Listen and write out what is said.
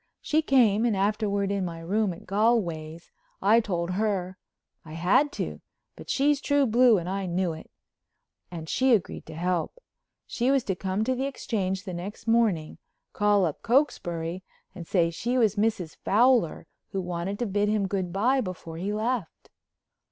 She came and afterward in my room at Galway's I told her—I had to, but she's true blue and I knew it—and she agreed to help. She was to come to the Exchange the next morning, call up Cokesbury and say she was Mrs. Fowler, who wanted to bid him good bye before he left.